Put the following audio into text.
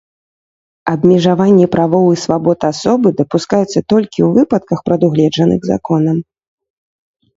Абмежаванне правоў і свабод асобы дапускаецца толькі ў выпадках, прадугледжаных законам.